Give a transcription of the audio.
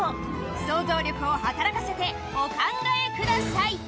想像力を働かせてお考えください